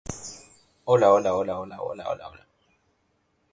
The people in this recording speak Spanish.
Baja California y Baja California Sur.